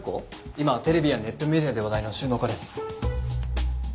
今テレビやネットメディアで話題の収納家です。